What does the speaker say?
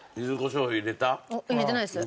入れてないです。